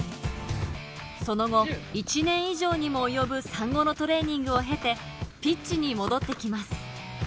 その後、１年以上にも及ぶ産後のトレーニングを経て、ピッチに戻ってきます。